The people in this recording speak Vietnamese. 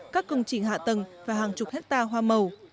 các công trình hạ tầng và hàng chục hectare hoa màu